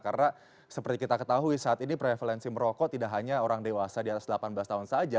karena seperti kita ketahui saat ini prevalensi merokok tidak hanya orang dewasa di atas delapan belas tahun saja